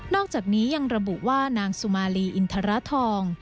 อกจากนี้ยังระบุว่านางสุมาลีอินทรทอง